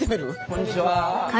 こんにちは。